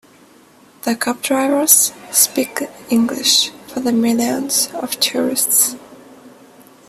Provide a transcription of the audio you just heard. The cab drivers speak English for the millions of tourists.